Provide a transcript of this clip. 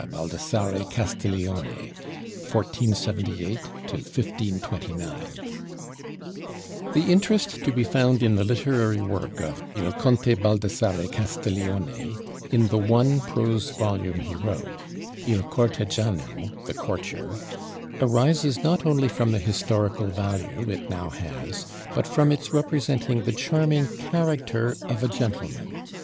BALDASSARE CASTIGLIONE (1478 1529) [Illustration: CASTIGLIONE] The interest to be found in the literary work of "il conte Baldassare Castiglione" in the one prose volume he wrote, 'Il Cortegiano' (The Courtier) arises not only from the historical value it now has, but from its representing the charming character of a gentleman.